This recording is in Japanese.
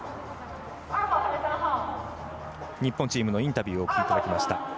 日本チームのインタビューお聞きいただきました。